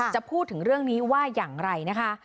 จะพูดถึงเรื่องนี้ว่าอย่างไรนะคะ